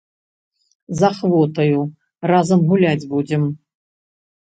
З ахвотаю, разам гуляць будзем.